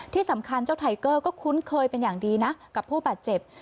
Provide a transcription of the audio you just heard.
ที่สำคัญเจ้าไทเกอร์ก็คุ้นเคยเป็นอย่างดีนะกับผู้บาดเจ็บ